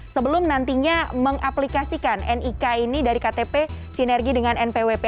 sebelum nantinya mengaplikasikan nik ini dari ktp sinergi dengan npwp